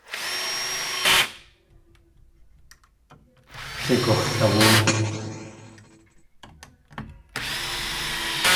Kei gux̲lawóotlʼ.